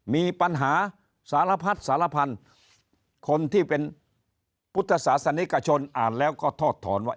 มีปัญหาสารพัดสารพันธุ์คนที่เป็นพุทธศาสนิกชนอ่านแล้วก็ทอดถอนว่า